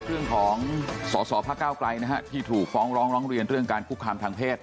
เรื่องของสสพระเก้าไกลนะฮะที่ถูกฟ้องร้องร้องเรียนเรื่องการคุกคามทางเพศ